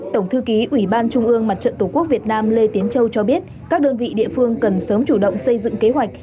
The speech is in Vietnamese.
tổng thư ký ủy ban trung ương mặt trận tổ quốc việt nam lê tiến châu cho biết các đơn vị địa phương cần sớm chủ động xây dựng kế hoạch